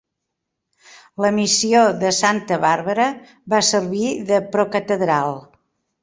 La Missió de Santa Bàrbara va servir de procatedral.